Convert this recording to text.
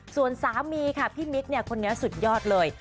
ส่วนสามีค่ะพี่มิกคนเนี่ยสุดยอดเลย